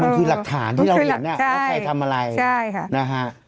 มันคือหลักฐานที่เราเห็นว่าใครทำอะไรใช่ค่ะนะฮะ